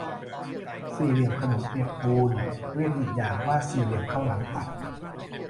สี่เหลี่ยมขนมเปียกปูน เรียกอีกอย่างว่าสี่เหลี่ยมข้าวหลามตัด